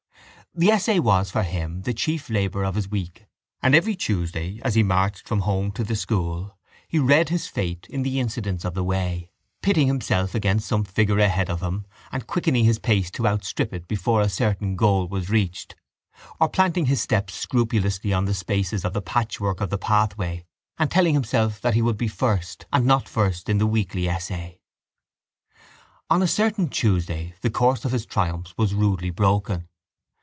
The essay was for him the chief labour of his week and every Tuesday, as he marched from home to the school, he read his fate in the incidents of the way, pitting himself against some figure ahead of him and quickening his pace to outstrip it before a certain goal was reached or planting his steps scrupulously in the spaces of the patchwork of the pathway and telling himself that he would be first and not first in the weekly essay. On a certain Tuesday the course of his triumphs was rudely broken.